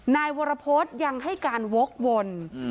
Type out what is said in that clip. นายวรพฤษยังให้การวกวน